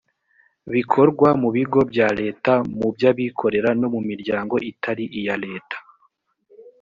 bikorwa mu bigo bya leta mu by’abikorera no mu miryango itari iya leta